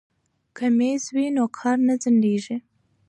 که میز وي نو کار نه ځنډیږي.